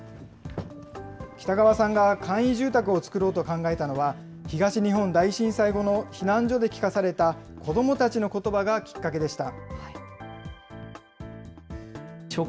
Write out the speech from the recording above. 北川さんが簡易住宅を作ろうと考えたのは、東日本大震災後の避難所で聞かされた子どもたちのことばがきっかけでした。